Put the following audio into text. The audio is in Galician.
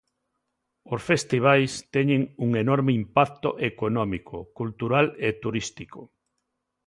Os festivais teñen un enorme impacto económico, cultural e turístico.